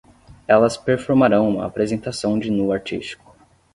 Elas performarão uma apresentação de nu artístico